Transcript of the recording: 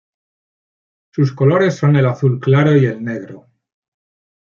Sus colores son el azul claro y el negro.